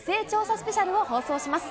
スペシャルを放送します。